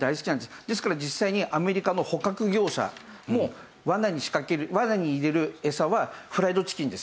ですから実際にアメリカの捕獲業者も罠に仕掛ける罠に入れる餌はフライドチキンです。